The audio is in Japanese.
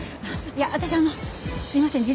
いや私あのすいません